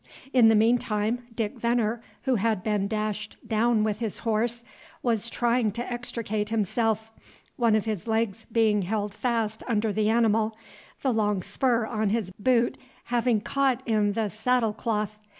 In the mean time, Dick Venner, who had been dashed down with his horse, was trying to extricate himself, one of his legs being held fast under the animal, the long spur on his boot having caught in the saddle cloth.